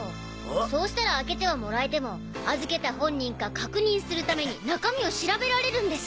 そうしたら開けてはもらえても預けた本人か確認するために中身を調べられるんです。